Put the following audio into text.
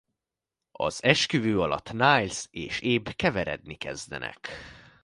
Az esküvő alatt Nyles és Abe verekedni kezdenek.